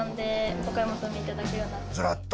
ずらっと。